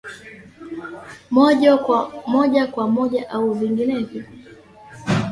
moja kwa moja au vinginevyo